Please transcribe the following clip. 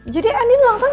jadi andin ulang tahun